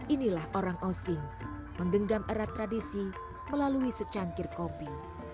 inilah orang osing menggenggam erat tradisi melalui secangkir kopi